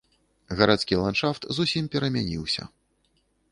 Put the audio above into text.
Гарадскі ландшафт зусім перамяніўся.